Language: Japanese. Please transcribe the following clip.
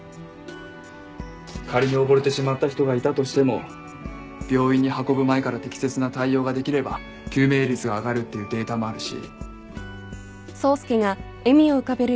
仮に溺れてしまった人がいたとしても病院に運ぶ前から適切な対応ができれば救命率が上がるっていうデータもあるし。